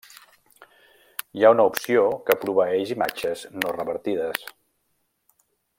Hi ha una opció que proveeix imatges no revertides.